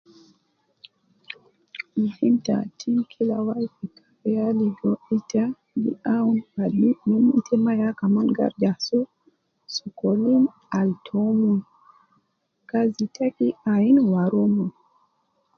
Muhim ta atim kila wai ya ligo ita gi awun hadi tomon, te ma ya kaman gi arija soo sokolin al tomon